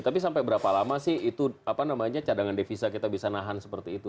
tapi sampai berapa lama sih itu apa namanya cadangan devisa kita bisa nahan seperti itu